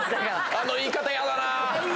あの言い方ヤダな。